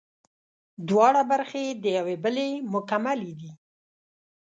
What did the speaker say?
دواړه برخې د یوې بلې مکملې دي